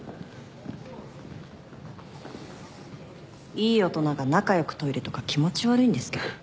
いい大人が仲良くトイレとか気持ち悪いんですけど。